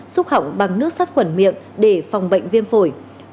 xúc hỏng bằng nước sắt khuẩn miệng để phòng bệnh viêm phổi